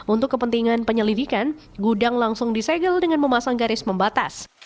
untuk kepentingan penyelidikan gudang langsung disegel dengan memasang garis membatas